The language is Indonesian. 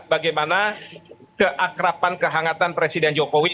bagaimana keakrapan kehangatan presiden jokowi